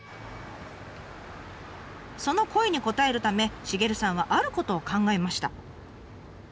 その声に応えるためシゲルさんはあることを考えました。